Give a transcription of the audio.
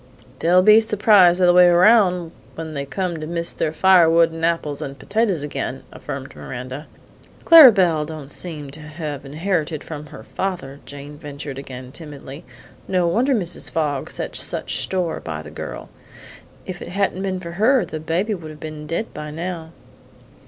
"They'll be surprised the other way round when they come to miss their firewood and apples and potatoes again," affirmed Miranda. "Clara Belle don't seem to have inherited from her father," Jane ventured again timidly. "No wonder Mrs. Fogg sets such store by the girl. If it hadn't been for her, the baby would have been dead by now."